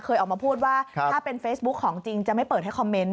เคยออกมาพูดว่าถ้าเป็นเฟซบุ๊คของจริงจะไม่เปิดให้คอมเมนต์